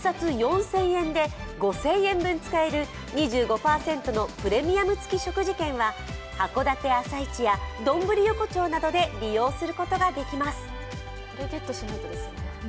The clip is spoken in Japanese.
１冊４０００円で、５０００円分使える２５％のプレミアム付き食事券は函館朝市やどんぶり横町などで利用することができます。